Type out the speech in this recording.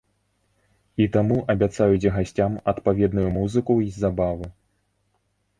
І таму абяцаюць гасцям адпаведную музыку і забавы.